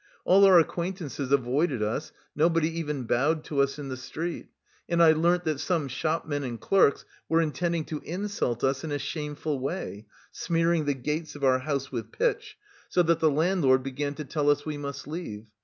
All our acquaintances avoided us, nobody even bowed to us in the street, and I learnt that some shopmen and clerks were intending to insult us in a shameful way, smearing the gates of our house with pitch, so that the landlord began to tell us we must leave.